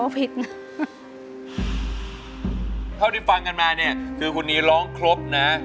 เท่าที่ฟังกันมาเนี่ยคือคุณนีร้องครบนะ